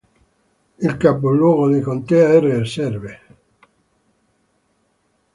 Il capoluogo di contea è Reserve.